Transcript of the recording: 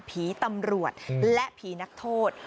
ผีตำรวจและผีนักโทษ